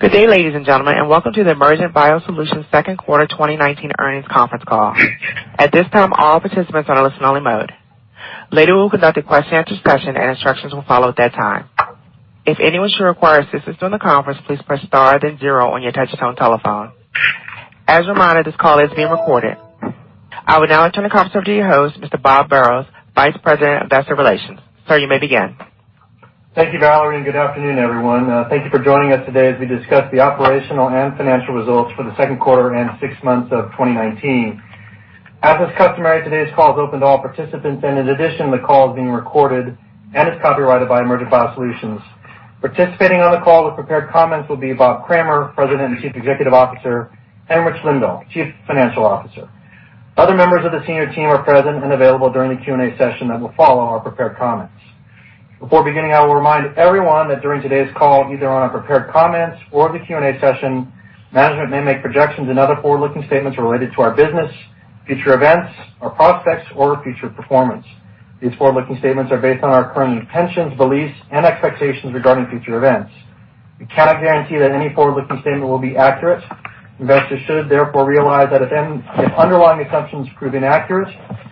Good day, ladies and gentlemen. Welcome to the Emergent BioSolutions second quarter 2019 earnings conference call. At this time, all participants are in listen only mode. Later, we'll conduct a question and answer session and instructions will follow at that time. If anyone should require assistance during the conference, please press star then zero on your touch-tone telephone. As a reminder, this call is being recorded. I will now turn the conference over to your host, Mr. Robert Burrows, Vice President of Investor Relations. Sir, you may begin. Thank you, Valerie, and good afternoon, everyone. Thank you for joining us today as we discuss the operational and financial results for the second quarter and six months of 2019. As is customary, today's call is open to all participants, and in addition, the call is being recorded and is copyrighted by Emergent BioSolutions. Participating on the call with prepared comments will be Robert Kramer, President and Chief Executive Officer, and Richard Lindahl, Chief Financial Officer. Other members of the senior team are present and available during the Q&A session that will follow our prepared comments. Before beginning, I will remind everyone that during today's call, either on our prepared comments or the Q&A session, management may make projections and other forward-looking statements related to our business, future events, our prospects, or future performance. These forward-looking statements are based on our current intentions, beliefs, and expectations regarding future events. We cannot guarantee that any forward-looking statement will be accurate. Investors should therefore realize that if underlying assumptions prove inaccurate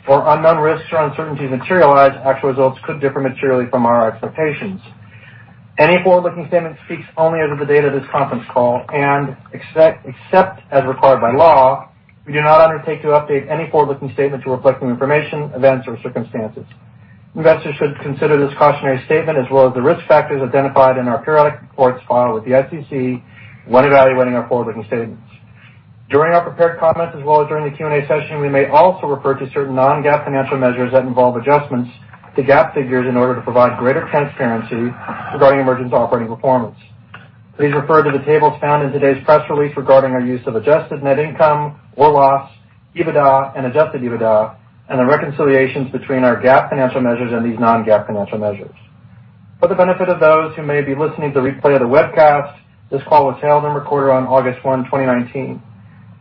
or unknown risks or uncertainties materialize, actual results could differ materially from our expectations. Any forward-looking statement speaks only as of the date of this conference call. Except as required by law, we do not undertake to update any forward-looking statement to reflect new information, events, or circumstances. Investors should consider this cautionary statement, as well as the risk factors identified in our periodic reports filed with the SEC when evaluating our forward-looking statements. During our prepared comments, as well as during the Q&A session, we may also refer to certain non-GAAP financial measures that involve adjustments to GAAP figures in order to provide greater transparency regarding Emergent's operating performance. Please refer to the tables found in today's press release regarding our use of adjusted net income or loss, EBITDA and adjusted EBITDA, and the reconciliations between our GAAP financial measures and these non-GAAP financial measures. For the benefit of those who may be listening to the replay of the webcast, this call was held and recorded on August 1, 2019.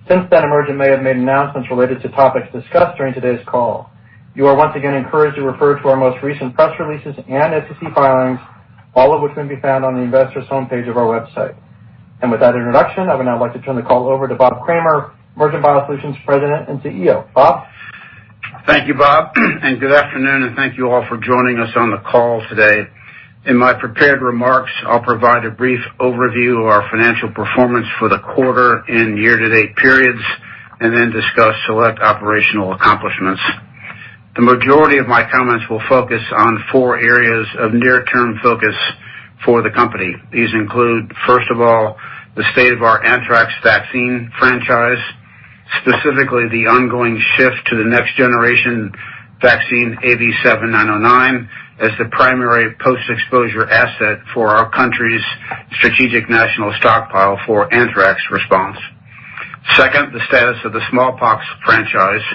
Since then, Emergent may have made announcements related to topics discussed during today's call. You are once again encouraged to refer to our most recent press releases and SEC filings, all of which can be found on the investors homepage of our website. With that introduction, I would now like to turn the call over to Robert Kramer, Emergent BioSolutions President and CEO. Bob? Thank you, Bob. Good afternoon, and thank you all for joining us on the call today. In my prepared remarks, I'll provide a brief overview of our financial performance for the quarter and year-to-date periods, and then discuss select operational accomplishments. The majority of my comments will focus on four areas of near-term focus for the company. These include, first of all, the state of our anthrax vaccine franchise, specifically the ongoing shift to the next-generation vaccine AV7909 as the primary post-exposure asset for our country's Strategic National Stockpile for anthrax response. Second, the status of the smallpox franchise,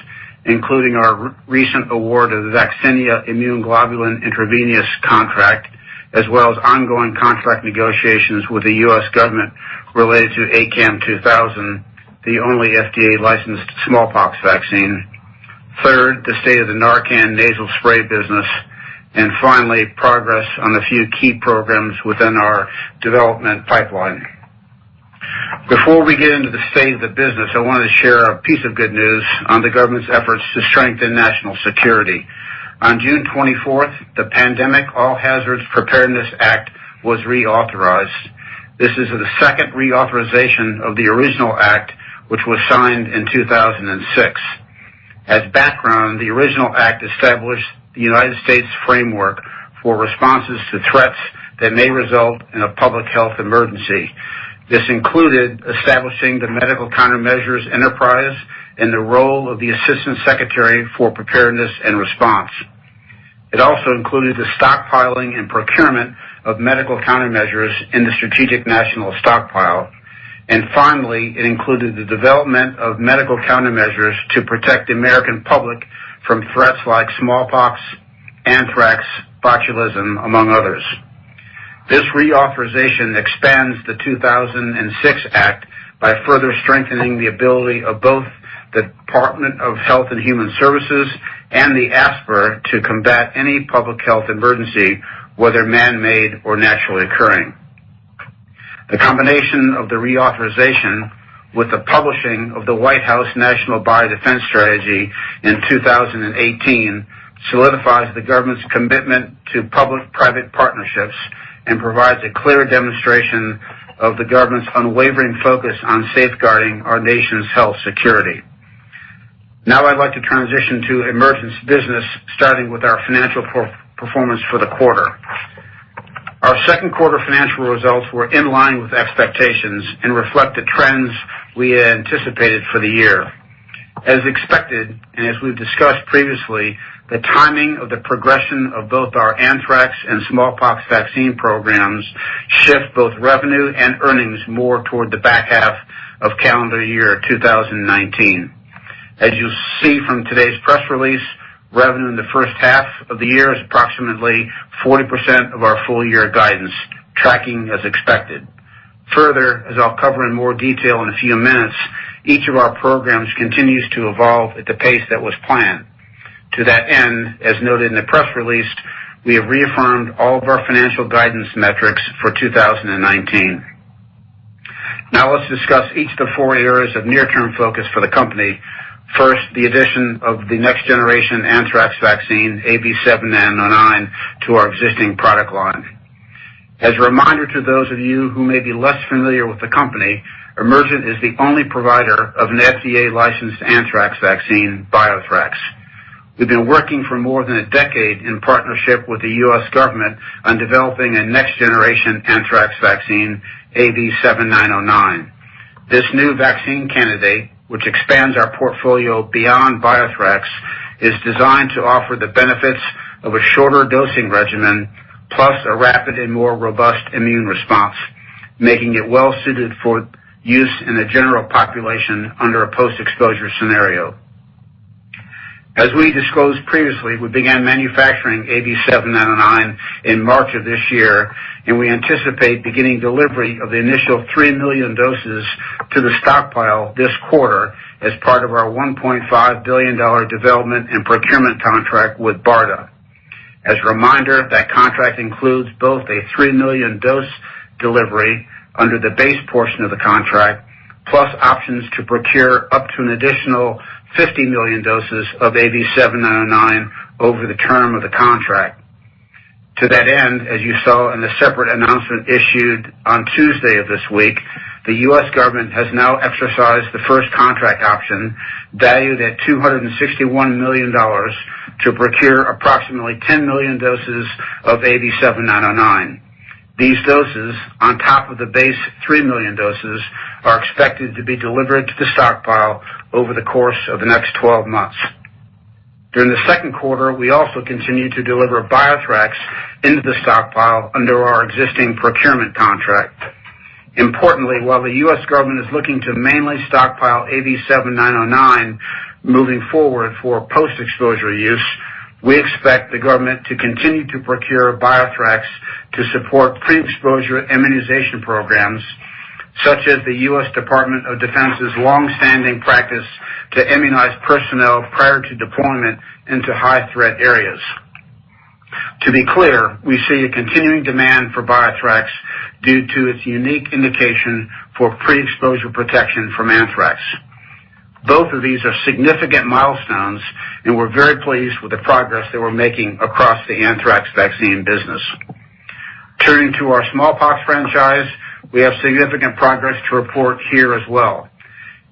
including our recent award of the Vaccinia Immune Globulin Intravenous contract, as well as ongoing contract negotiations with the U.S. government related to ACAM2000, the only FDA-licensed smallpox vaccine. Third, the state of the NARCAN Nasal Spray business, finally, progress on a few key programs within our development pipeline. Before we get into the state of the business, I want to share a piece of good news on the government's efforts to strengthen national security. On June 24th, the Pandemic and All-Hazards Preparedness Act was reauthorized. This is the second reauthorization of the original act, which was signed in 2006. As background, the original act established the U.S. framework for responses to threats that may result in a public health emergency. This included establishing the Medical Countermeasures Enterprise and the role of the Assistant Secretary for Preparedness and Response. It also included the stockpiling and procurement of medical countermeasures in the Strategic National Stockpile. Finally, it included the development of medical countermeasures to protect the American public from threats like smallpox, anthrax, botulism, among others. This reauthorization expands the 2006 Act by further strengthening the ability of both the Department of Health and Human Services and the ASPR to combat any public health emergency, whether man-made or naturally occurring. The combination of the reauthorization with the publishing of the White House National Biodefense Strategy in 2018 solidifies the government's commitment to public-private partnerships and provides a clear demonstration of the government's unwavering focus on safeguarding our nation's health security. I'd like to transition to Emergent's business, starting with our financial performance for the quarter. Our second quarter financial results were in line with expectations and reflect the trends we had anticipated for the year. As expected, and as we've discussed previously, the timing of the progression of both our anthrax and smallpox vaccine programs shift both revenue and earnings more toward the back half of calendar year 2019. As you'll see from today's press release, revenue in the first half of the year is approximately 40% of our full year guidance, tracking as expected. As I'll cover in more detail in a few minutes, each of our programs continues to evolve at the pace that was planned. To that end, as noted in the press release, we have reaffirmed all of our financial guidance metrics for 2019. Let's discuss each of the four areas of near-term focus for the company. First, the addition of the next-generation anthrax vaccine, AV7909, to our existing product line. As a reminder to those of you who may be less familiar with the company, Emergent is the only provider of an FDA-licensed anthrax vaccine, BioThrax. We've been working for more than a decade in partnership with the U.S. government on developing a next-generation anthrax vaccine, AV7909. This new vaccine candidate, which expands our portfolio beyond BioThrax, is designed to offer the benefits of a shorter dosing regimen, plus a rapid and more robust immune response, making it well-suited for use in the general population under a post-exposure scenario. As we disclosed previously, we began manufacturing AV7909 in March of this year, and we anticipate beginning delivery of the initial 3 million doses to the stockpile this quarter as part of our $1.5 billion development and procurement contract with BARDA. As a reminder, that contract includes both a 3-million-dose delivery under the base portion of the contract, plus options to procure up to an additional 50 million doses of AV7909 over the term of the contract. To that end, as you saw in the separate announcement issued on Tuesday of this week, the U.S. government has now exercised the first contract option, valued at $261 million, to procure approximately 10 million doses of AV7909. These doses, on top of the base three million doses, are expected to be delivered to the stockpile over the course of the next 12 months. During the second quarter, we also continued to deliver BioThrax into the stockpile under our existing procurement contract. Importantly, while the U.S. government is looking to mainly stockpile AV7909 moving forward for post-exposure use, we expect the government to continue to procure BioThrax to support pre-exposure immunization programs, such as the U.S. Department of Defense's longstanding practice to immunize personnel prior to deployment into high-threat areas. To be clear, we see a continuing demand for BioThrax due to its unique indication for pre-exposure protection from anthrax. Both of these are significant milestones, and we're very pleased with the progress that we're making across the anthrax vaccine business. Turning to our smallpox franchise, we have significant progress to report here as well.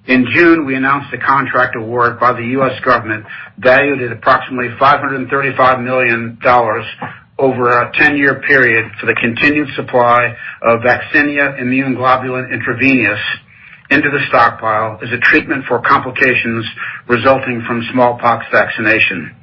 In June, we announced a contract award by the U.S. government valued at approximately $535 million over a 10-year period for the continued supply of Vaccinia Immune Globulin Intravenous into the stockpile as a treatment for complications resulting from smallpox vaccination.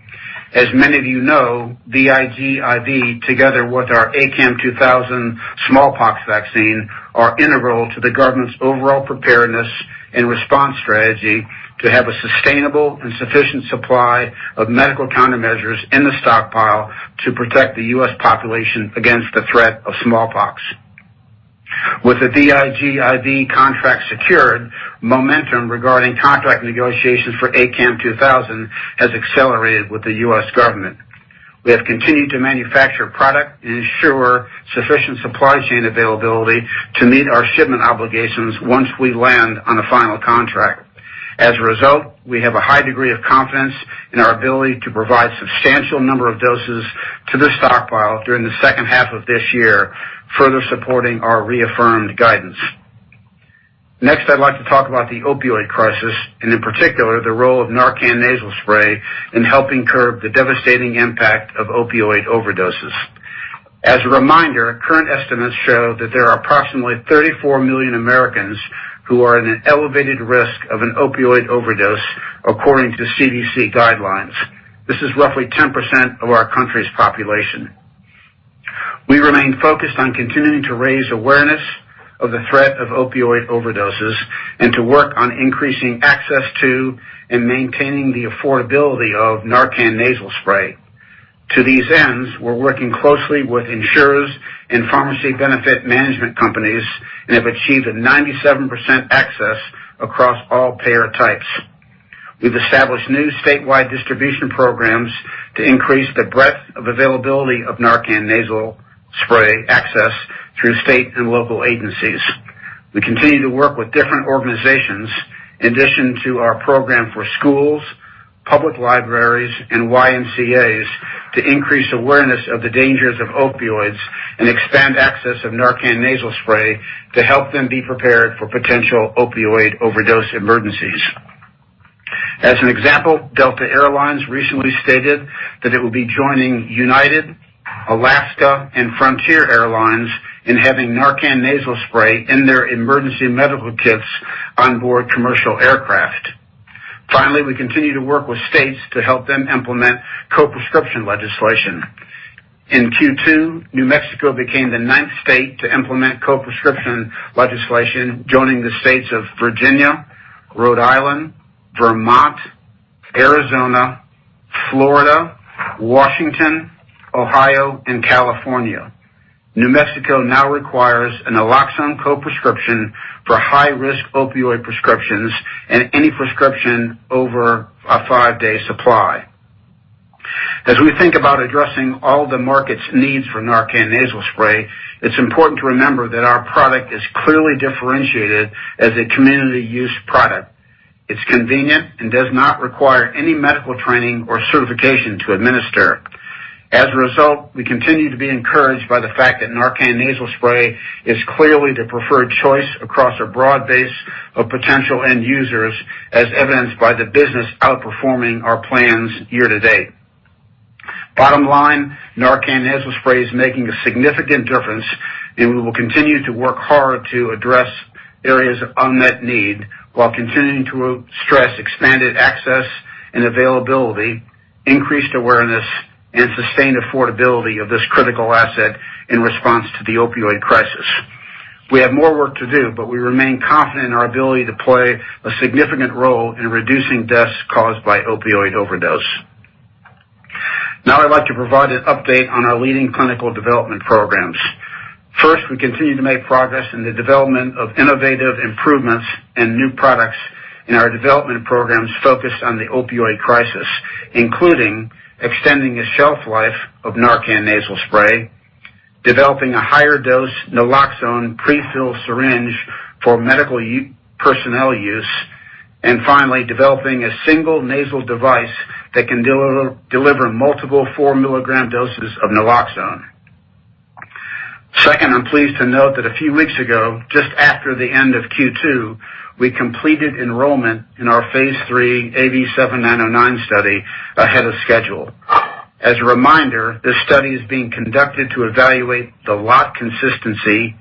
As many of you know, VIGIV, together with our ACAM2000 smallpox vaccine, are integral to the government's overall preparedness and response strategy to have a sustainable and sufficient supply of medical countermeasures in the stockpile to protect the U.S. population against the threat of smallpox. With the VIGIV contract secured, momentum regarding contract negotiations for ACAM2000 has accelerated with the U.S. government. We have continued to manufacture product and ensure sufficient supply chain availability to meet our shipment obligations once we land on a final contract. As a result, we have a high degree of confidence in our ability to provide substantial number of doses to the Stockpile during the second half of this year, further supporting our reaffirmed guidance. Next, I'd like to talk about the opioid crisis, and in particular, the role of NARCAN Nasal Spray in helping curb the devastating impact of opioid overdoses. As a reminder, current estimates show that there are approximately 34 million Americans who are at an elevated risk of an opioid overdose, according to CDC guidelines. This is roughly 10% of our country's population. We remain focused on continuing to raise awareness of the threat of opioid overdoses and to work on increasing access to and maintaining the affordability of NARCAN Nasal Spray. To these ends, we're working closely with insurers and pharmacy benefit management companies and have achieved a 97% access across all payer types. We've established new statewide distribution programs to increase the breadth of availability of NARCAN Nasal Spray access through state and local agencies. We continue to work with different organizations, in addition to our program for schools, public libraries, and YMCAs, to increase awareness of the dangers of opioids and expand access of NARCAN Nasal Spray to help them be prepared for potential opioid overdose emergencies. As an example, Delta Air Lines recently stated that it will be joining United, Alaska, and Frontier Airlines in having NARCAN Nasal Spray in their emergency medical kits on board commercial aircraft. Finally, we continue to work with states to help them implement co-prescription legislation. In Q2, New Mexico became the ninth state to implement co-prescription legislation, joining the states of Virginia, Rhode Island, Vermont, Arizona, Florida, Washington, Ohio, and California. New Mexico now requires a naloxone co-prescription for high-risk opioid prescriptions and any prescription over a five-day supply. As we think about addressing all the market's needs for NARCAN Nasal Spray, it's important to remember that our product is clearly differentiated as a community use product. It's convenient and does not require any medical training or certification to administer. As a result, we continue to be encouraged by the fact that NARCAN Nasal Spray is clearly the preferred choice across a broad base of potential end users, as evidenced by the business outperforming our plans year to date. Bottom line, NARCAN Nasal Spray is making a significant difference, and we will continue to work hard to address areas of unmet need while continuing to stress expanded access and availability, increased awareness, and sustained affordability of this critical asset in response to the opioid crisis. We have more work to do, but we remain confident in our ability to play a significant role in reducing deaths caused by opioid overdose. Now I'd like to provide an update on our leading clinical development programs. First, we continue to make progress in the development of innovative improvements and new products in our development programs focused on the opioid crisis, including extending the shelf life of NARCAN Nasal Spray, developing a higher dose naloxone prefill syringe for medical personnel use, and finally, developing a single nasal device that can deliver multiple 4 milligram doses of naloxone. Second, I'm pleased to note that a few weeks ago, just after the end of Q2, we completed enrollment in our phase III AV7909 study ahead of schedule. As a reminder, this study is being conducted to evaluate the lot consistency,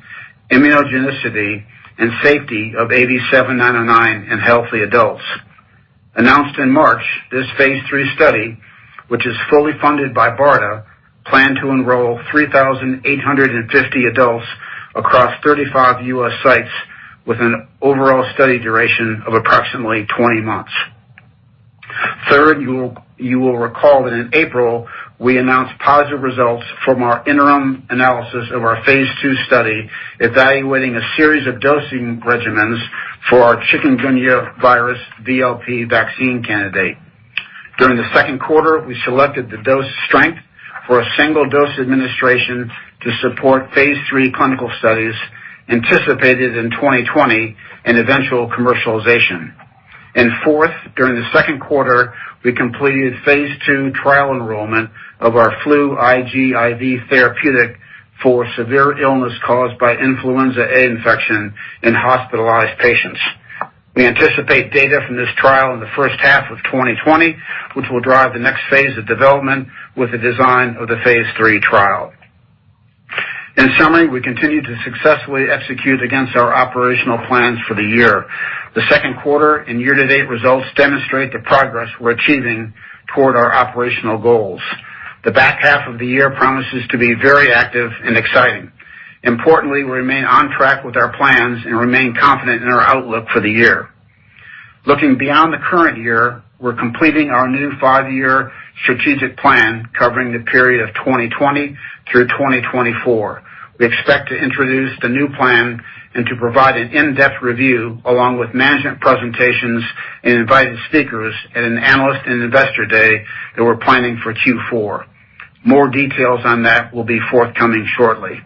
immunogenicity, and safety of AV7909 in healthy adults. Announced in March, this phase III study, which is fully funded by BARDA, planned to enroll 3,850 adults across 35 U.S. sites with an overall study duration of approximately 20 months. Third, you will recall that in April, we announced positive results from our interim analysis of our phase II study, evaluating a series of dosing regimens for our Chikungunya virus VLP vaccine candidate. During the second quarter, we selected the dose strength for a single dose administration to support phase III clinical studies anticipated in 2020 and eventual commercialization. Fourth, during the second quarter, we completed phase II trial enrollment of our FLU-IGIV therapeutic for severe illness caused by influenza A infection in hospitalized patients. We anticipate data from this trial in the first half of 2020, which will drive the next phase of development with the design of the phase III trial. In summary, we continue to successfully execute against our operational plans for the year. The second quarter and year-to-date results demonstrate the progress we're achieving toward our operational goals. The back half of the year promises to be very active and exciting. Importantly, we remain on track with our plans and remain confident in our outlook for the year. Looking beyond the current year, we're completing our new five-year strategic plan covering the period of 2020 through 2024. We expect to introduce the new plan and to provide an in-depth review along with management presentations and invited speakers at an analyst and investor day that we're planning for Q4. More details on that will be forthcoming shortly.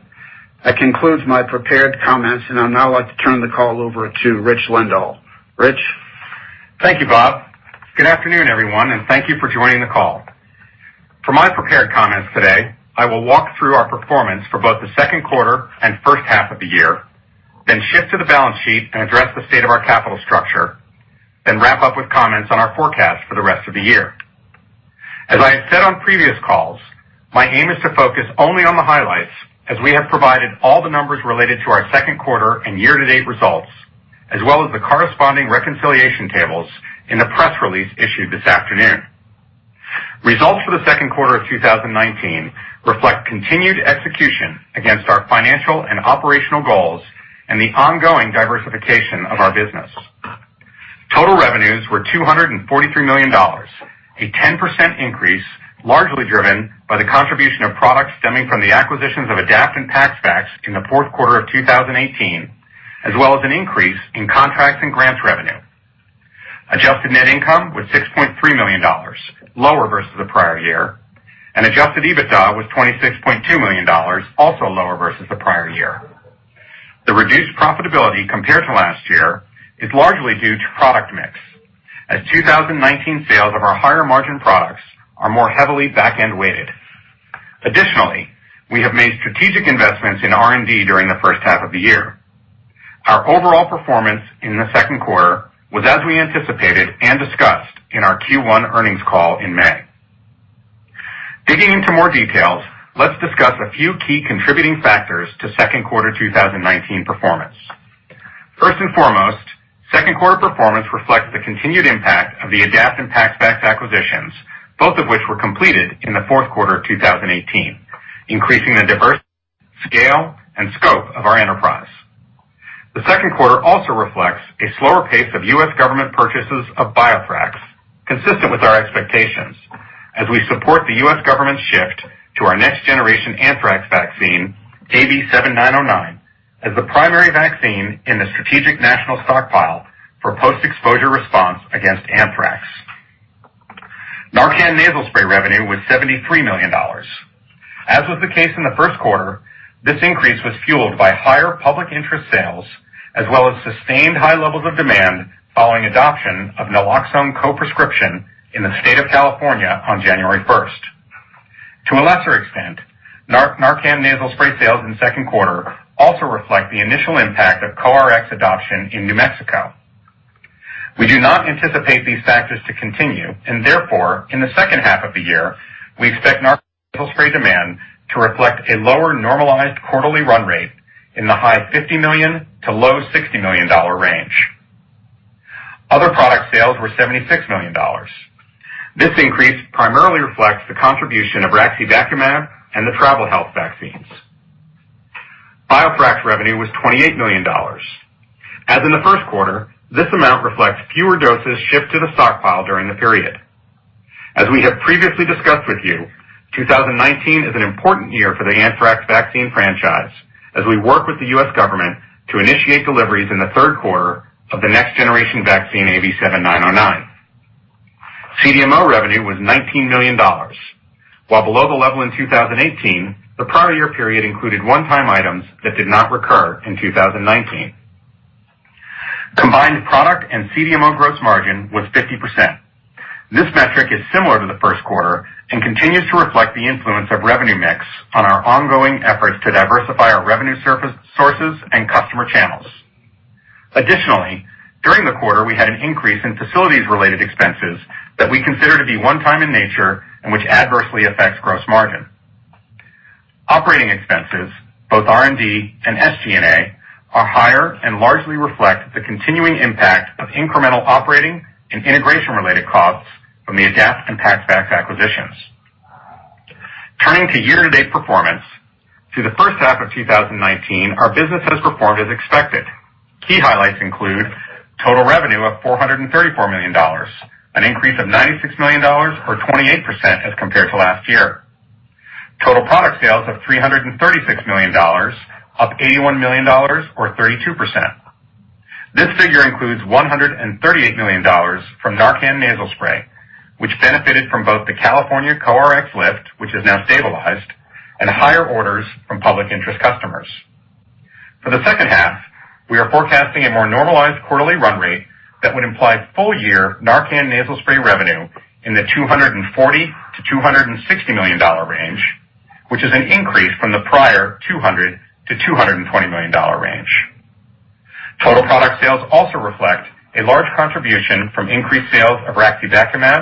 That concludes my prepared comments, and I'd now like to turn the call over to Rich Lindahl. Rich? Thank you, Bob. Good afternoon, everyone. Thank you for joining the call. For my prepared comments today, I will walk through our performance for both the second quarter and first half of the year, shift to the balance sheet and address the state of our capital structure, wrap up with comments on our forecast for the rest of the year. As I have said on previous calls, my aim is to focus only on the highlights as we have provided all the numbers related to our second quarter and year-to-date results, as well as the corresponding reconciliation tables in the press release issued this afternoon. Results for the second quarter of 2019 reflect continued execution against our financial and operational goals and the ongoing diversification of our business. Total revenues were $243 million, a 10% increase, largely driven by the contribution of products stemming from the acquisitions of Adapt and PaxVax in the fourth quarter of 2018, as well as an increase in contracts and grants revenue. Adjusted net income was $6.3 million, lower versus the prior year, and adjusted EBITDA was $26.2 million, also lower versus the prior year. The reduced profitability compared to last year is largely due to product mix, as 2019 sales of our higher margin products are more heavily back-end weighted. Additionally, we have made strategic investments in R&D during the first half of the year. Our overall performance in the second quarter was as we anticipated and discussed in our Q1 earnings call in May. Digging into more details, let's discuss a few key contributing factors to second quarter 2019 performance. First and foremost, second quarter performance reflects the continued impact of the Adapt and PaxVax acquisitions, both of which were completed in the fourth quarter of 2018, increasing the diversity, scale, and scope of our enterprise. Second quarter also reflects a slower pace of U.S. government purchases of BioThrax, consistent with our expectations, as we support the U.S. government's shift to our next-generation anthrax vaccine, AV7909, as the primary vaccine in the Strategic National Stockpile for post-exposure response against anthrax. NARCAN Nasal Spray revenue was $73 million. As was the case in the first quarter, this increase was fueled by higher public interest sales, as well as sustained high levels of demand following adoption of naloxone co-prescription in the state of California on January 1st. To a lesser extent, NARCAN Nasal Spray sales in the second quarter also reflect the initial impact of co-Rx adoption in New Mexico. We do not anticipate these factors to continue. Therefore, in the second half of the year, we expect NARCAN Nasal Spray demand to reflect a lower normalized quarterly run rate in the high $50 million to low $60 million range. Other product sales were $76 million. This increase primarily reflects the contribution of raxibacumab and the travel health vaccines. BioThrax revenue was $28 million. As in the first quarter, this amount reflects fewer doses shipped to the stockpile during the period. As we have previously discussed with you, 2019 is an important year for the anthrax vaccine franchise as we work with the U.S. government to initiate deliveries in the third quarter of the next-generation vaccine, AV7909. CDMO revenue was $19 million. While below the level in 2018, the prior year period included one-time items that did not recur in 2019. Combined product and CDMO gross margin was 50%. This metric is similar to the first quarter and continues to reflect the influence of revenue mix on our ongoing efforts to diversify our revenue sources and customer channels. Additionally, during the quarter, we had an increase in facilities-related expenses that we consider to be one-time in nature and which adversely affects gross margin. Operating expenses, both R&D and SG&A, are higher and largely reflect the continuing impact of incremental operating and integration-related costs from the Adapt and PaxVax acquisitions. Turning to year-to-date performance. Through the first half of 2019, our business has performed as expected. Key highlights include total revenue of $434 million, an increase of $96 million or 28% as compared to last year. Total product sales of $336 million, up $81 million or 32%. This figure includes $138 million from NARCAN Nasal Spray, which benefited from both the California co-Rx lift, which has now stabilized, and higher orders from public interest customers. For the second half, we are forecasting a more normalized quarterly run rate that would imply full-year NARCAN Nasal Spray revenue in the $240 million-$260 million range, which is an increase from the prior $200 million-$220 million range. Total product sales also reflect a large contribution from increased sales of raxibacumab,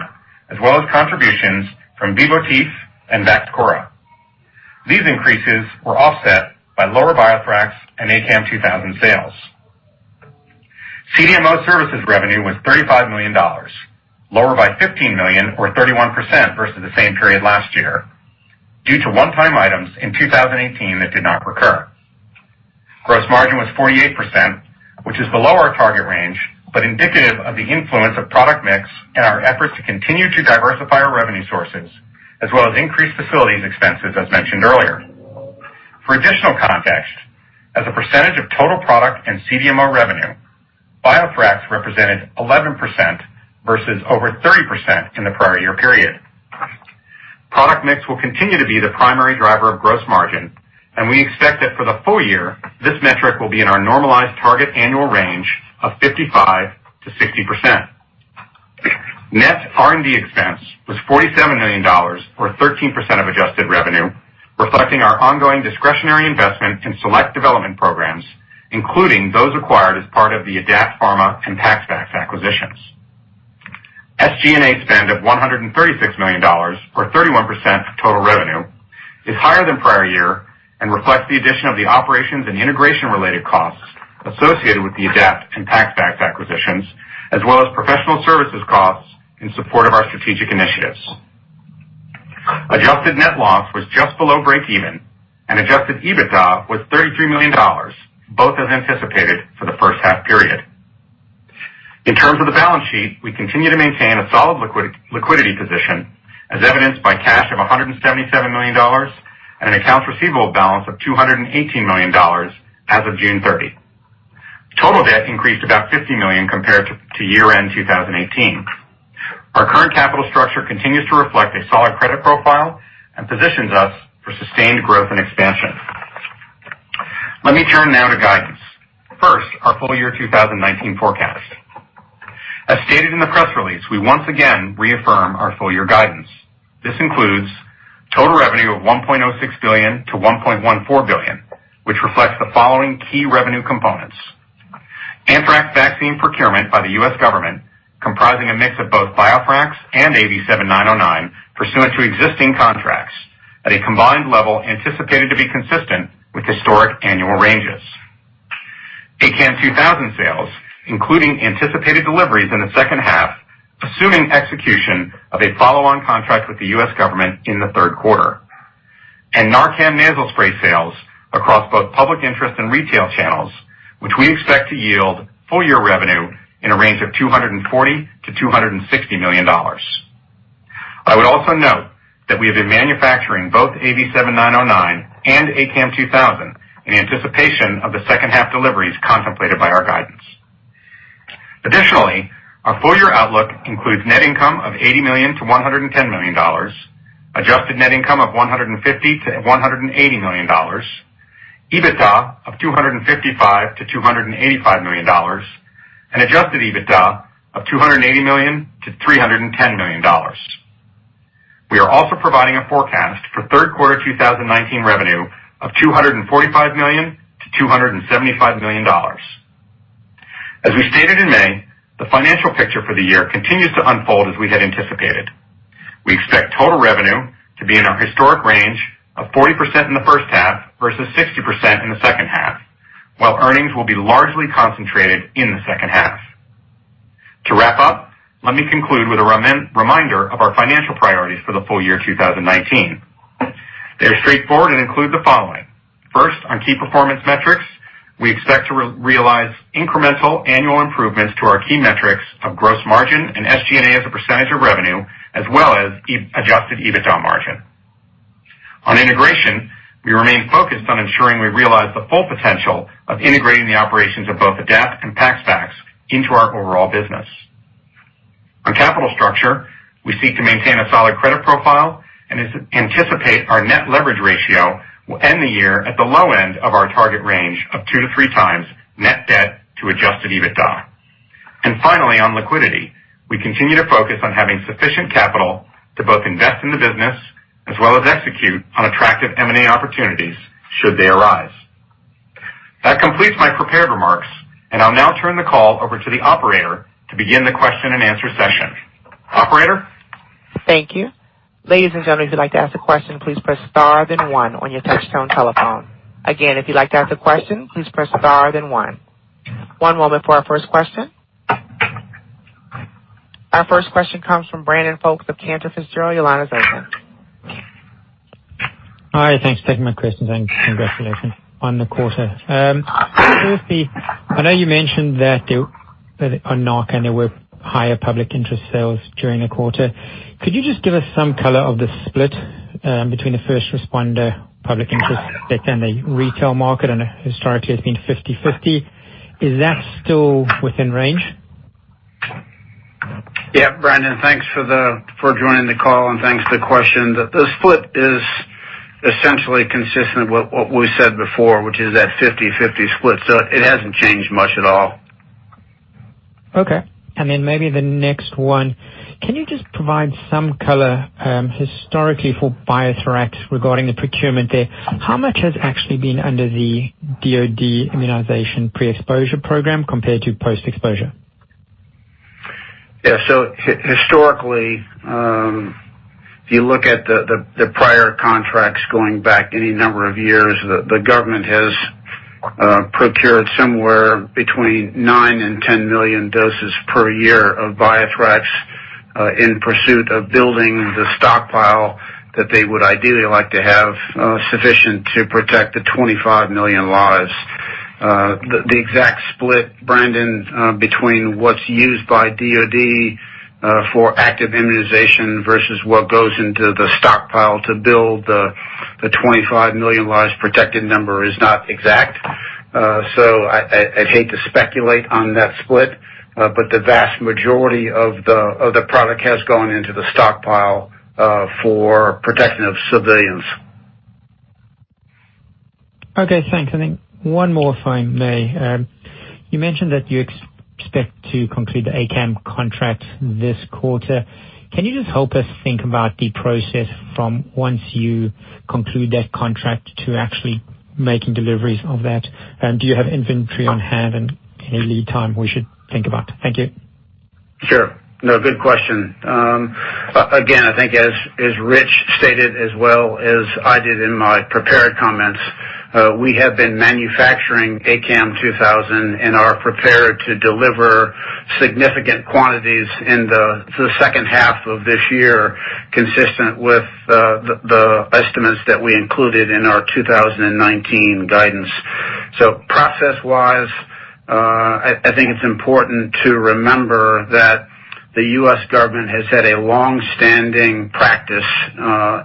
as well as contributions from Vivotif and VAXCHORA. These increases were offset by lower BioThrax and ACAM2000 sales. CDMO services revenue was $35 million, lower by $15 million or 31% versus the same period last year due to one-time items in 2018 that did not recur. Gross margin was 48%, which is below our target range, but indicative of the influence of product mix and our efforts to continue to diversify our revenue sources, as well as increase facilities expenses, as mentioned earlier. For additional context, as a percentage of total product and CDMO revenue, BioThrax represented 11% versus over 30% in the prior year period. Product mix will continue to be the primary driver of gross margin, and we expect that for the full year, this metric will be in our normalized target annual range of 55%-60%. Net R&D expense was $47 million, or 13% of adjusted revenue, reflecting our ongoing discretionary investment in select development programs, including those acquired as part of the Adapt Pharma and PaxVax acquisitions. SG&A spend of $136 million, or 31% of total revenue, is higher than prior year and reflects the addition of the operations and integration-related costs associated with the Adapt and PaxVax acquisitions, as well as professional services costs in support of our strategic initiatives. Adjusted net loss was just below break even, and adjusted EBITDA was $33 million, both as anticipated for the first half period. In terms of the balance sheet, we continue to maintain a solid liquidity position as evidenced by cash of $177 million and an accounts receivable balance of $218 million as of June 30th. Total debt increased about $50 million compared to year-end 2018. Our current capital structure continues to reflect a solid credit profile and positions us for sustained growth and expansion. Let me turn now to guidance. First, our full-year 2019 forecast. As stated in the press release, we once again reaffirm our full-year guidance. This includes total revenue of $1.06 billion-$1.14 billion, which reflects the following key revenue components. Anthrax vaccine procurement by the U.S. government, comprising a mix of both BioThrax and AV7909 pursuant to existing contracts at a combined level anticipated to be consistent with historic annual ranges. ACAM2000 sales, including anticipated deliveries in the second half, assuming execution of a follow-on contract with the U.S. government in the third quarter. NARCAN Nasal Spray sales across both public interest and retail channels, which we expect to yield full year revenue in a range of $240 million-$260 million. I would also note that we have been manufacturing both AV7909 and ACAM2000 in anticipation of the second half deliveries contemplated by our guidance. Additionally, our full year outlook includes net income of $80 million-$110 million, adjusted net income of $150 million-$180 million, EBITDA of $255 million-$285 million, and adjusted EBITDA of $280 million-$310 million. We are also providing a forecast for third quarter 2019 revenue of $245 million-$275 million. As we stated in May, the financial picture for the year continues to unfold as we had anticipated. We expect total revenue to be in our historic range of 40% in the first half versus 60% in the second half, while earnings will be largely concentrated in the second half. To wrap up, let me conclude with a reminder of our financial priorities for the full year 2019. They're straightforward and include the following. First, on key performance metrics, we expect to realize incremental annual improvements to our key metrics of gross margin and SG&A as a percentage of revenue, as well as adjusted EBITDA margin. On integration, we remain focused on ensuring we realize the full potential of integrating the operations of both Adapt and PaxVax into our overall business. On capital structure, we seek to maintain a solid credit profile and anticipate our net leverage ratio will end the year at the low end of our target range of two to three times net debt to adjusted EBITDA. Finally, on liquidity, we continue to focus on having sufficient capital to both invest in the business as well as execute on attractive M&A opportunities should they arise. That completes my prepared remarks. I'll now turn the call over to the operator to begin the question and answer session. Operator? Thank you. Ladies and gentlemen, if you'd like to ask a question, please press star, then one on your touchtone telephone. Again, if you'd like to ask a question, please press star, then one. One moment for our first question. Our first question comes from Brandon Folkes of Cantor Fitzgerald. Your line is open. Hi. Thanks for taking my questions, and congratulations on the quarter. I know you mentioned that on NARCAN, there were higher public interest sales during the quarter. Could you just give us some color of the split between the first responder public interest and the retail market? I know historically it's been 50/50. Is that still within range? Yeah. Brandon, thanks for joining the call, and thanks for the question. The split is essentially consistent with what we said before, which is that 50/50 split. It hasn't changed much at all. Okay. Maybe the next one. Can you just provide some color historically for BioThrax regarding the procurement there? How much has actually been under the DoD immunization pre-exposure program compared to post-exposure? Historically, if you look at the prior contracts going back any number of years, the government has procured somewhere between nine and 10 million doses per year of BioThrax in pursuit of building the stockpile that they would ideally like to have sufficient to protect the 25 million lives. The exact split, Brandon, between what's used by DoD for active immunization versus what goes into the stockpile to build the 25 million lives protected number is not exact. I'd hate to speculate on that split. The vast majority of the product has gone into the stockpile for protection of civilians. Okay, thanks. I think one more if I may. You mentioned that you expect to conclude the ACAM contract this quarter. Can you just help us think about the process from once you conclude that contract to actually making deliveries of that? Do you have inventory on hand and any lead time we should think about? Thank you. Sure. No, good question. Again, I think as Rich stated, as well as I did in my prepared comments, we have been manufacturing ACAM2000 and are prepared to deliver significant quantities in the second half of this year, consistent with the estimates that we included in our 2019 guidance. Process-wise, I think it's important to remember that the U.S. government has had a long-standing practice,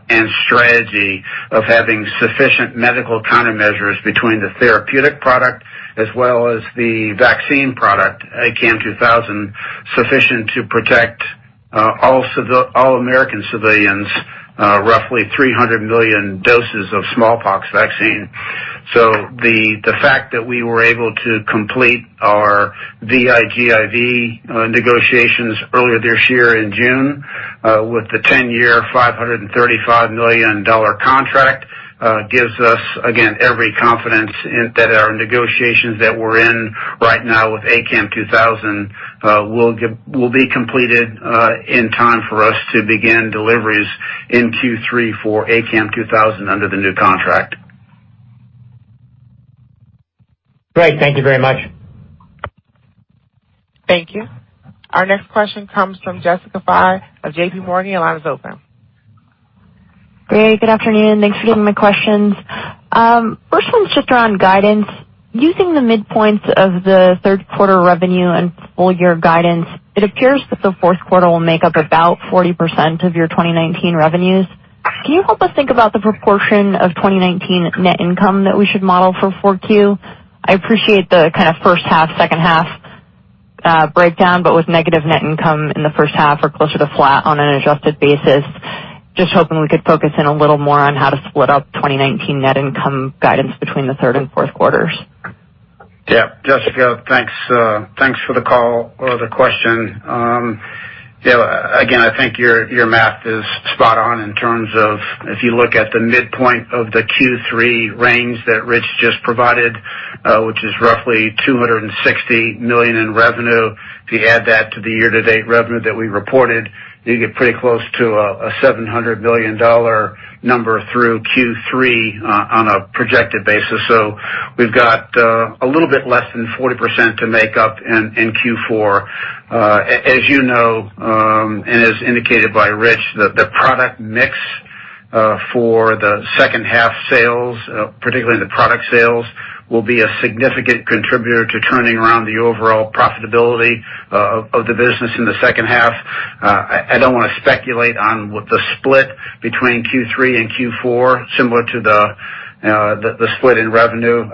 and strategy of having sufficient medical countermeasures between the therapeutic product as well as the vaccine product, ACAM2000, sufficient to protect all American civilians, roughly 300 million doses of smallpox vaccine. The fact that we were able to complete our VIGIV negotiations earlier this year in June with the 10-year, $535 million contract gives us, again, every confidence that our negotiations that we're in right now with ACAM2000 will be completed in time for us to begin deliveries in Q3 for ACAM2000 under the new contract. Great. Thank you very much. Thank you. Our next question comes from Jessica Fye of JPMorgan. Your line is open. Great. Good afternoon. Thanks for taking my questions. First one's just around guidance. Using the midpoints of the third quarter revenue and full year guidance, it appears that the fourth quarter will make up about 40% of your 2019 revenues. Can you help us think about the proportion of 2019 net income that we should model for 4Q? I appreciate the kind of first half, second half breakdown, but with negative net income in the first half or closer to flat on an adjusted basis, just hoping we could focus in a little more on how to split up 2019 net income guidance between the third and fourth quarters. Jessica, thanks for the call or the question. Again, I think your math is spot on in terms of if you look at the midpoint of the Q3 range that Rich just provided, which is roughly $260 million in revenue. If you add that to the year-to-date revenue that we reported, you get pretty close to a $700 million number through Q3 on a projected basis. We've got a little bit less than 40% to make up in Q4. As you know, and as indicated by Rich, the product mix for the second half sales, particularly the product sales, will be a significant contributor to turning around the overall profitability of the business in the second half. I don't want to speculate on what the split between Q3 and Q4, similar to the split in revenue.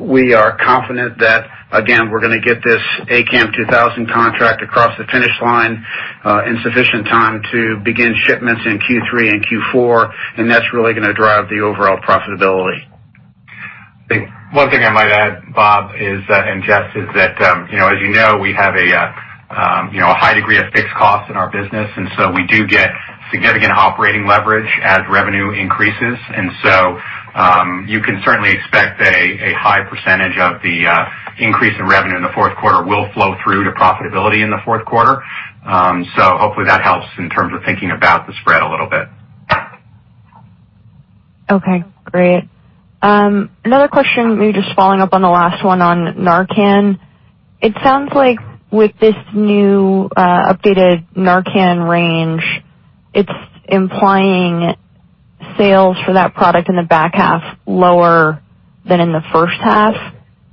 We are confident that, again, we're going to get this ACAM2000 contract across the finish line in sufficient time to begin shipments in Q3 and Q4, and that's really going to drive the overall profitability. One thing I might add, Bob and Jess, is that as you know, we have a high degree of fixed costs in our business, we do get significant operating leverage as revenue increases. You can certainly expect a high percentage of the increase in revenue in the fourth quarter will flow through to profitability in the fourth quarter. Hopefully that helps in terms of thinking about the spread a little bit. Okay. Great. Another question, maybe just following up on the last one on NARCAN. It sounds like with this new updated NARCAN range, it's implying sales for that product in the back half lower than in the first half,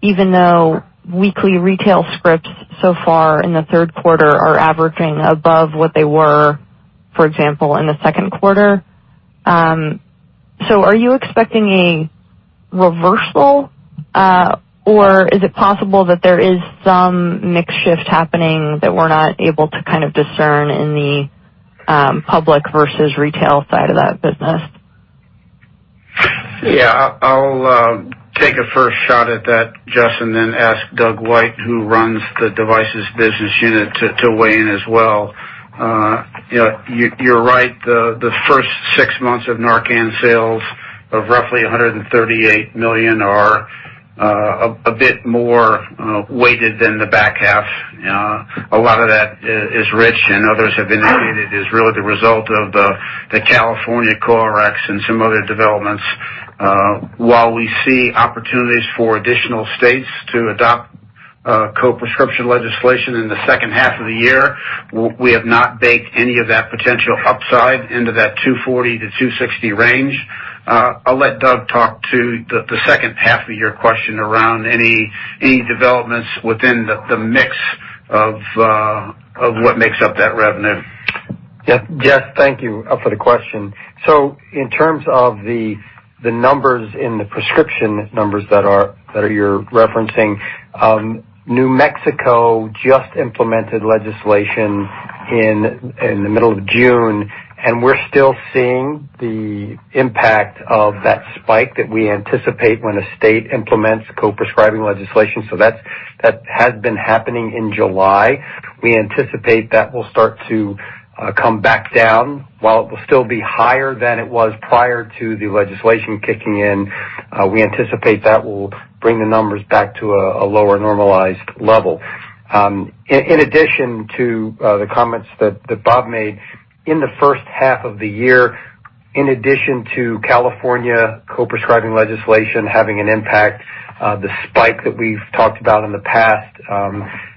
even though weekly retail scripts so far in the third quarter are averaging above what they were, for example, in the second quarter. Are you expecting a reversal? Or is it possible that there is some mix shift happening that we're not able to kind of discern in the public versus retail side of that business? Yeah. I'll take a first shot at that, Jess, and then ask Doug White, who runs the devices business unit, to weigh in as well. You're right. The first six months of NARCAN sales of roughly $138 million are a bit more weighted than the back half. A lot of that, as Rich and others have indicated, is really the result of the California co-Rx and some other developments. While we see opportunities for additional states to adopt co-prescription legislation in the second half of the year, we have not baked any of that potential upside into that $240 million-$260 million range. I'll let Doug talk to the second half of your question around any developments within the mix of what makes up that revenue. Yeah. Jess, thank you for the question. In terms of the numbers and the prescription numbers that you're referencing, New Mexico just implemented legislation in the middle of June, and we're still seeing the impact of that spike that we anticipate when a state implements co-prescription legislation. That has been happening in July. We anticipate that will start to come back down. While it will still be higher than it was prior to the legislation kicking in, we anticipate that will bring the numbers back to a lower normalized level. In addition to the comments that Bob made, in the first half of the year, in addition to California co-prescribing legislation having an impact, the spike that we've talked about in the past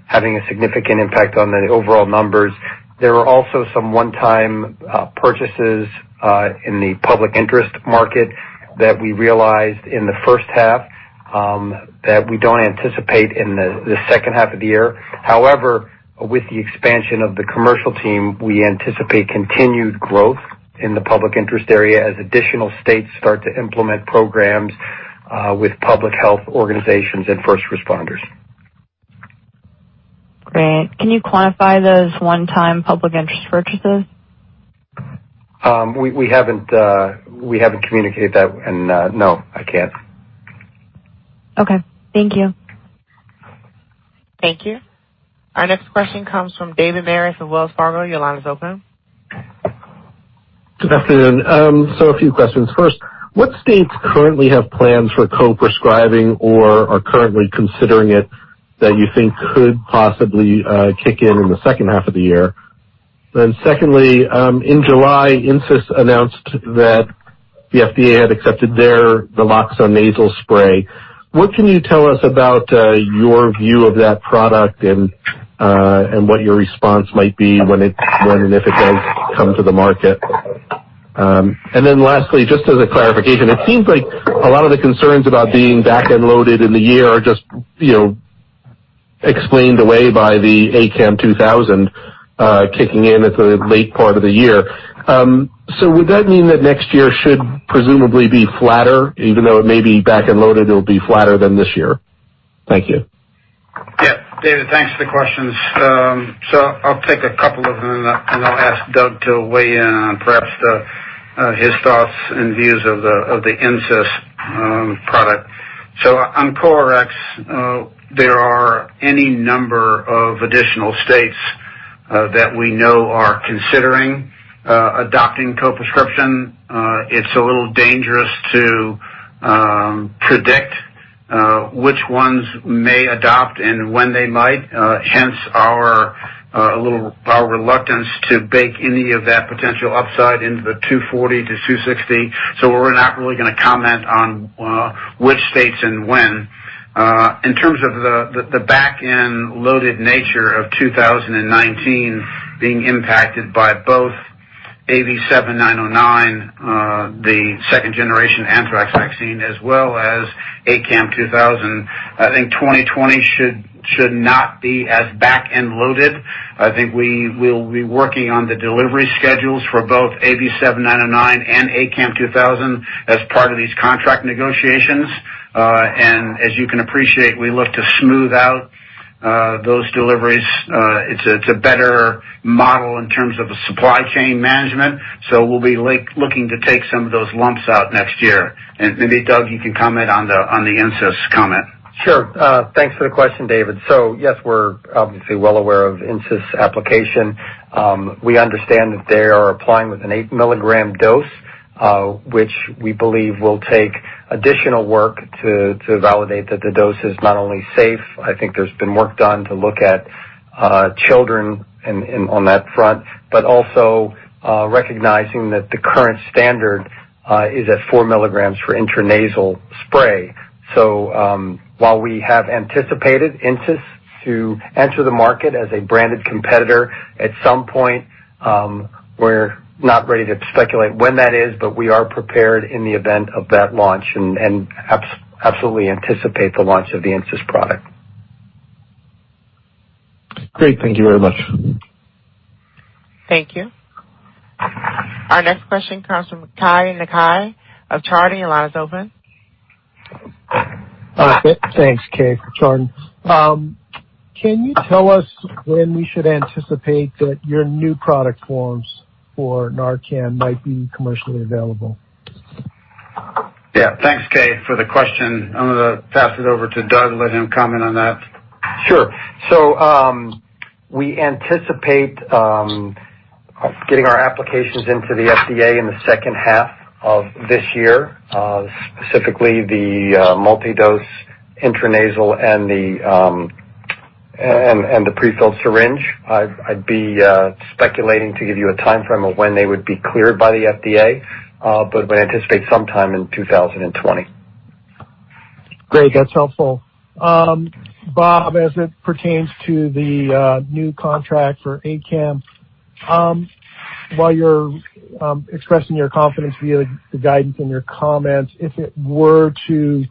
having a significant impact on the overall numbers, there were also some one-time purchases in the public interest market that we realized in the first half that we don't anticipate in the second half of the year. With the expansion of the commercial team, we anticipate continued growth in the public interest area as additional states start to implement programs with public health organizations and first responders. Great. Can you quantify those one-time public interest purchases? We haven't communicated that, and no, I can't. Okay. Thank you. Thank you. Our next question comes from David Maris of Wells Fargo. Your line is open. Good afternoon. A few questions. First, what states currently have plans for co-prescribing or are currently considering it that you think could possibly kick in in the second half of the year? Secondly, in July, INSYS announced that the FDA had accepted their naloxone nasal spray. What can you tell us about your view of that product and what your response might be when and if it does come to the market? Lastly, just as a clarification, it seems like a lot of the concerns about being back end loaded in the year are just explained away by the ACAM2000 kicking in at the late part of the year. Would that mean that next year should presumably be flatter? Even though it may be back end loaded, it'll be flatter than this year. Thank you. Yeah. David, thanks for the questions. I'll take a couple of them, and I'll ask Doug to weigh in on perhaps his thoughts and views of the INSYS product. On co-Rx, there are any number of additional states that we know are considering adopting co-prescription. It's a little dangerous to predict which ones may adopt and when they might, hence our reluctance to bake any of that potential upside into the $240 million-$260 million. We're not really going to comment on which states and when. In terms of the back-end loaded nature of 2019 being impacted by both AV7909, the second-generation anthrax vaccine, as well as ACAM2000, I think 2020 should not be as back-end loaded. I think we will be working on the delivery schedules for both AV7909 and ACAM2000 as part of these contract negotiations. As you can appreciate, we look to smooth out those deliveries. It's a better model in terms of a supply chain management. We'll be looking to take some of those lumps out next year. Maybe, Doug, you can comment on the INSYS comment. Sure. Thanks for the question, David. Yes, we're obviously well aware of INSYS application. We understand that they are applying with an 8 mg dose, which we believe will take additional work to validate that the dose is not only safe. I think there's been work done to look at children on that front, but also recognizing that the current standard is at 4 mg for intranasal spray. While we have anticipated INSYS to enter the market as a branded competitor at some point, we're not ready to speculate when that is. We are prepared in the event of that launch and absolutely anticipate the launch of the INSYS product. Great. Thank you very much. Thank you. Our next question comes from Keay Nakae of Chardan. Your line is open. Thanks, Keay, for Chardan. Can you tell us when we should anticipate that your new product forms for NARCAN might be commercially available? Thanks, Keay, for the question. I'm going to pass it over to Doug and let him comment on that. Sure. We anticipate getting our applications into the FDA in the second half of this year, specifically the multi-dose intranasal and the pre-filled syringe. I'd be speculating to give you a timeframe of when they would be cleared by the FDA. We anticipate sometime in 2020. Great. That's helpful. Bob, as it pertains to the new contract for ACAM, while you're expressing your confidence via the guidance in your comments, if it were to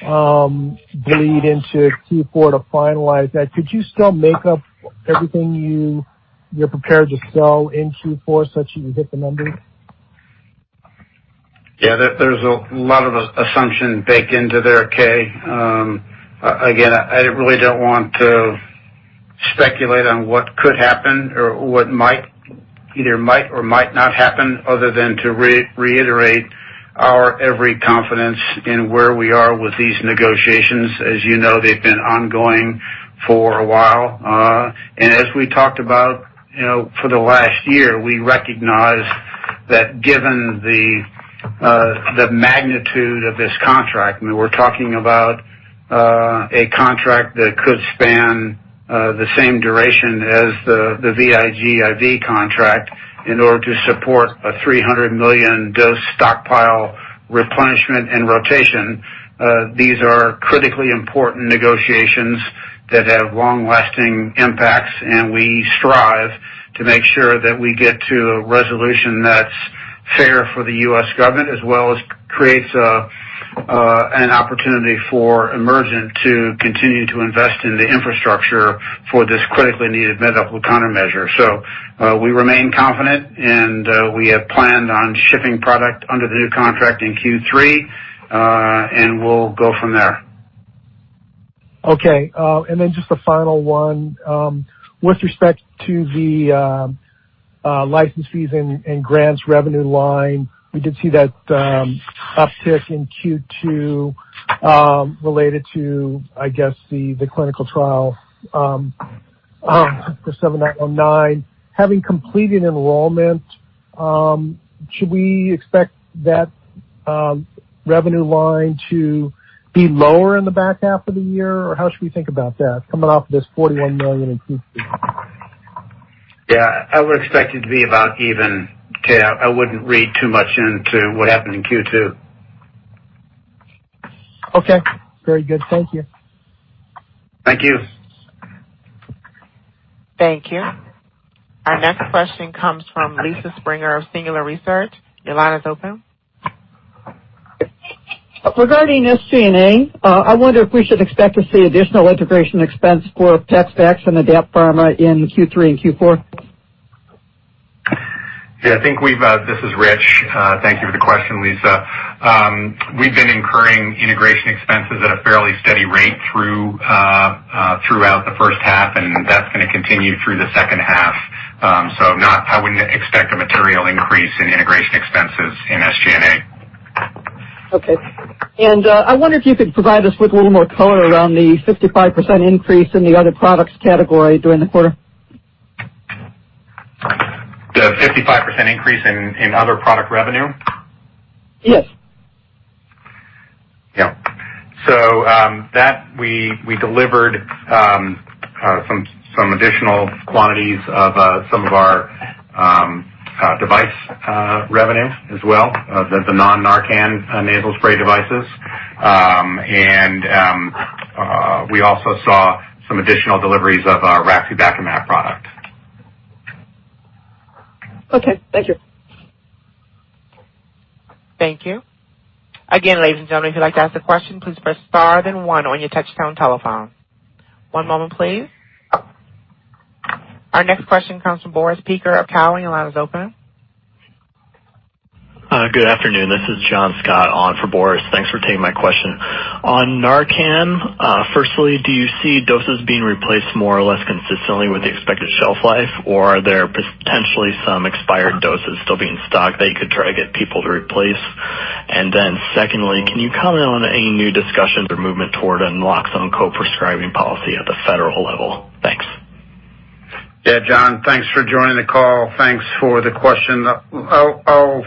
bleed into Q4 to finalize that, could you still make up everything you're prepared to sell in Q4 such that you hit the numbers? Yeah, there's a lot of assumption baked into there, Keay. I really don't want to speculate on what could happen or what either might or might not happen other than to reiterate our every confidence in where we are with these negotiations. As you know, they've been ongoing for a while. As we talked about for the last year, we recognize that given the magnitude of this contract, we're talking about a contract that could span the same duration as the VIGIV contract in order to support a 300 million dose stockpile replenishment and rotation. These are critically important negotiations that have long-lasting impacts, we strive to make sure that we get to a resolution that's fair for the U.S. government, as well as creates an opportunity for Emergent to continue to invest in the infrastructure for this critically needed medical countermeasure. We remain confident, and we have planned on shipping product under the new contract in Q3, and we'll go from there. Okay. Just the final one. With respect to the license fees and grants revenue line, we did see that uptick in Q2 related to, I guess, the clinical trial for 7909. Having completed enrollment, should we expect that revenue line to be lower in the back half of the year, or how should we think about that coming off of this $41 million in Q2? Yeah, I would expect it to be about even, Kay. I wouldn't read too much into what happened in Q2. Okay. Very good. Thank you. Thank you. Thank you. Our next question comes from Lisa Springer of Singular Research. Your line is open. Regarding SG&A, I wonder if we should expect to see additional integration expense for PaxVax and Adapt Pharma in Q3 and Q4. This is Rich. Thank you for the question, Lisa. We've been incurring integration expenses at a fairly steady rate throughout the first half. That's going to continue through the second half. I wouldn't expect a material increase in integration expenses in SG&A. Okay. I wonder if you could provide us with a little more color around the 55% increase in the other products category during the quarter. The 55% increase in other product revenue? Yes. Yeah. We delivered some additional quantities of some of our device revenue as well, the non-NARCAN Nasal Spray devices. We also saw some additional deliveries of our raxibacumab product. Okay. Thank you. Thank you. Again, ladies and gentlemen, if you'd like to ask a question, please press star then one on your touchtone telephone. One moment, please. Our next question comes from Boris Peaker of Cowen. Your line is open. Good afternoon. This is John Scott on for Boris. Thanks for taking my question. On NARCAN, firstly, do you see doses being replaced more or less consistently with the expected shelf life, or are there potentially some expired doses still being stocked that you could try to get people to replace? Secondly, can you comment on any new discussions or movement toward a naloxone co-prescribing policy at the federal level? Thanks. Yeah, John, thanks for joining the call. Thanks for the question. I'll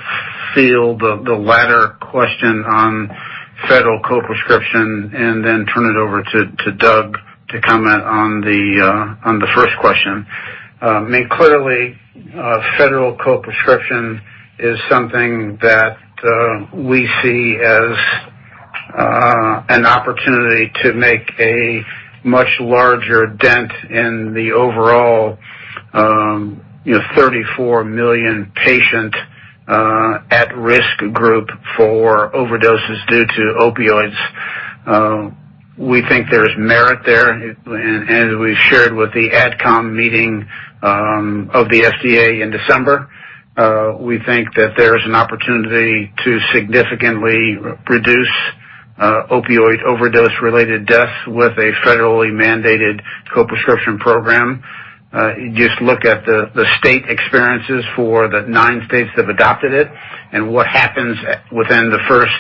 field the latter question on federal co-prescription and then turn it over to Doug to comment on the first question. Clearly, federal co-prescription is something that we see as an opportunity to make a much larger dent in the overall 34 million patient at-risk group for overdoses due to opioids. We think there's merit there, and as we've shared with the AdCom meeting of the FDA in December, we think that there's an opportunity to significantly reduce opioid overdose related deaths with a federally mandated co-prescription program. Just look at the state experiences for the nine states that have adopted it and what happens within the first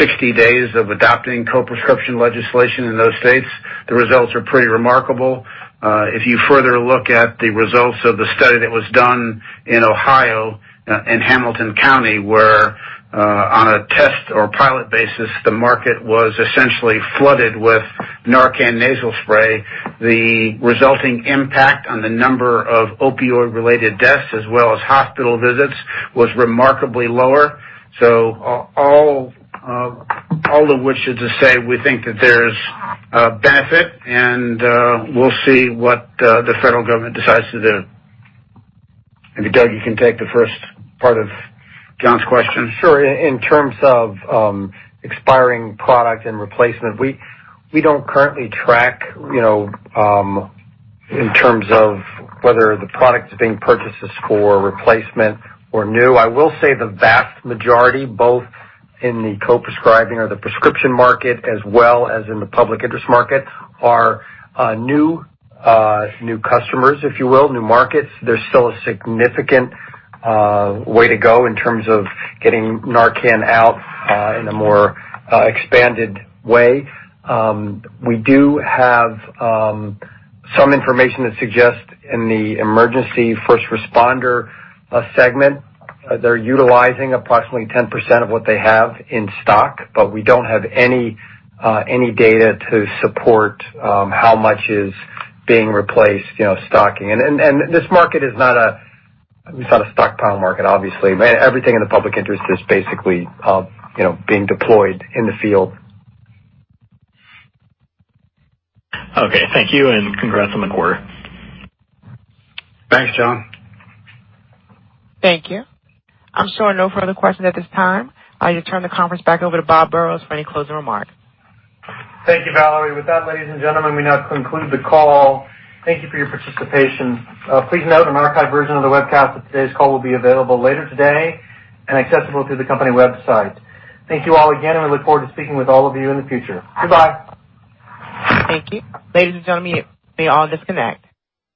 60 days of adopting co-prescription legislation in those states. The results are pretty remarkable. If you further look at the results of the study that was done in Ohio, in Hamilton County, where on a test or pilot basis, the market was essentially flooded with NARCAN Nasal Spray. The resulting impact on the number of opioid-related deaths, as well as hospital visits, was remarkably lower. All of which is to say we think that there's a benefit and we'll see what the federal government decides to do. Maybe Doug, you can take the first part of John's question. Sure. In terms of expiring product and replacement, we don't currently track in terms of whether the product is being purchased for replacement or new. I will say the vast majority, both in the co-prescribing or the prescription market as well as in the public interest market, are new customers, if you will, new markets. There's still a significant way to go in terms of getting NARCAN out in a more expanded way. We do have some information that suggests in the emergency first responder segment, they're utilizing approximately 10% of what they have in stock. But we don't have any data to support how much is being replaced, stocking. And this market is not a stockpile market, obviously. Everything in the public interest is basically being deployed in the field. Okay. Thank you, and congrats on the quarter. Thanks, John. Thank you. I'm showing no further questions at this time. I'll turn the conference back over to Robert Burrows for any closing remarks. Thank you, Valerie. With that, ladies and gentlemen, we now conclude the call. Thank you for your participation. Please note an archived version of the webcast of today's call will be available later today and accessible through the company website. Thank you all again, and we look forward to speaking with all of you in the future. Goodbye. Thank you. Ladies and gentlemen, you may all disconnect.